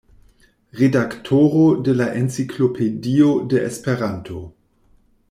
Redaktoro de la Enciklopedio de Esperanto.